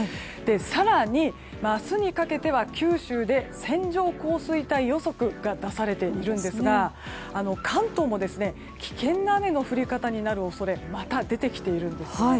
更に明日にかけては九州で線状降水帯予測が出されているんですが関東も危険な雨の降り方になる恐れが出てきているんですね。